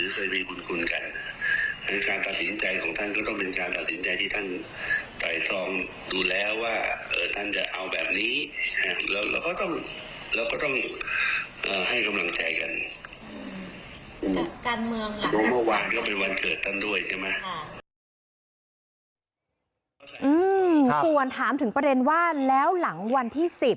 ส่วนถามถึงประเด็นว่าแล้วหลังวันที่๑๐